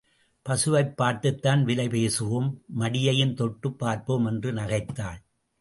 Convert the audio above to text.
பசுவைப் பார்த்துத்தான் விலை பேசுவோம் மடியையும் தொட்டுப் பார்ப்போம் என்று நகைத்தாள்.